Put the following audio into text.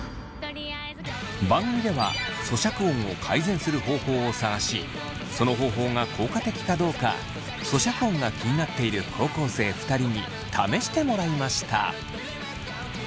番組では咀嚼音を改善する方法を探しその方法が効果的かどうか咀嚼音が気になっている高校生２人に試してもらいました。